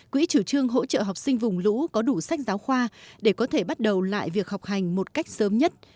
quỹ chủ trương hỗ trợ học sinh vùng lũ có đủ sách giáo khoa để có thể bắt đầu lại việc học hành một cách sớm nhất